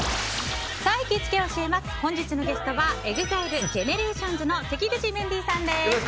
本日のゲストは、ＥＸＩＬＥＧＥＮＥＲＡＴＩＯＮＳの関口メンディーさんです。